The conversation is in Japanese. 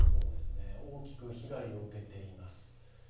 大きく被害を受けています。